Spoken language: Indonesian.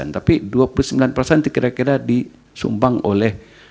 tapi dua puluh sembilan persen itu kira kira disumbang oleh